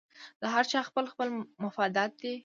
د هر چا خپل خپل مفادات دي